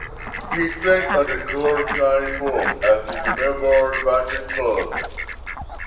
He trained under coach Ian Pope at the Melbourne Vicentre Club.